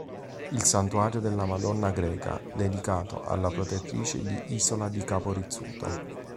Il Santuario della Madonna Greca, dedicato alla Protettrice di Isola di Capo Rizzuto.